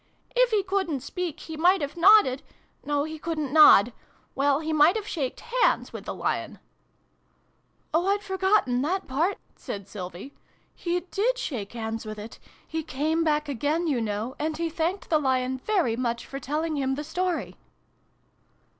" If he couldn't speak, he might have nodded no, he couldn't nod. Well, he might have shaked hands with the Lion !"<( Oh, I'd forgotten that part!" said Sylvie. " He did shake hands with it. He came back again, you know, and he thanked the Lion very much, for telling him the story."